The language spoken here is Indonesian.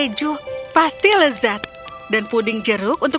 sayang aku telah membuat kentang panggang favoritmu dengan mentega dan kek